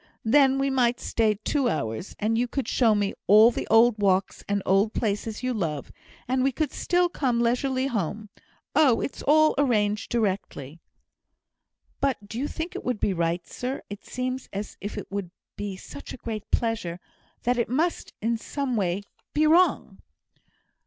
Then we might stay two hours, and you could show me all the old walks and old places you love, and we could still come leisurely home. Oh, it's all arranged directly!" "But do you think it would be right, sir? It seems as if it would be such a great pleasure, that it must be in some way wrong."